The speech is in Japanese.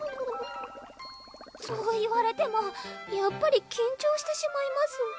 そう言われてもやっぱり緊張してしまいます